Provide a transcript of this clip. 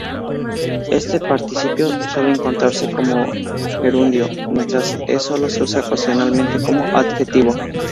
Este participio suele encontrarse como gerundio, mientras es solo se usa ocasionalmente como adjetivo.